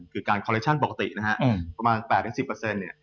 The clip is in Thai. คือการคอลเลคชั่นปกติประมาณ๘๑๐